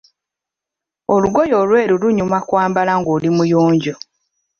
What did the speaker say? Olugoye olweru lunyuma kwambala ng'oli muyonjo.